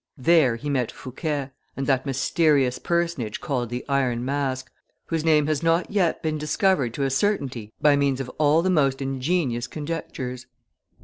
There he met Fouquet, and that mysterious personage called the Iron Mask, whose name has not yet been discovered to a certainty by means of all the most ingenious conjectures.